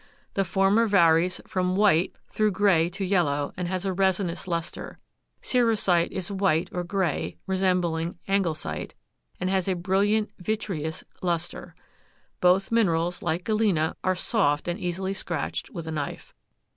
The former varies from white through gray to yellow and has a resinous luster. Cerussite is white or gray, resembling anglesite, and has a brilliant, vitreous luster. Both minerals, like galena, are soft and easily scratched with a knife.